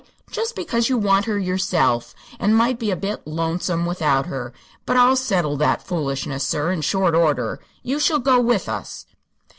Just because you want her yourself, and might be a bit lonesome without her. But I'll settle that foolishness, sir, in short order. You shall go with us."